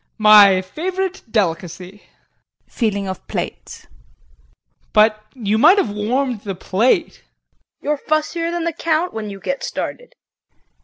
My favorite delicacy. [Feeling of plate]. But you might have warmed the plate. KRISTIN. You're fussier than the Count, when you get started.